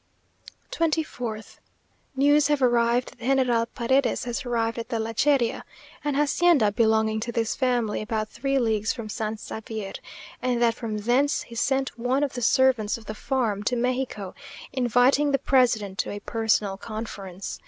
24th. News have arrived that General Paredes has arrived at the Lecheria, an hacienda belonging to this family, about three leagues from San Xavier: and that from thence he sent one of the servants of the farm to Mexico, inviting the president to a personal conference.